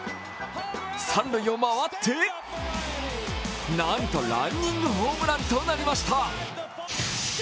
三塁を回って、なんとランニングホームランとなりました。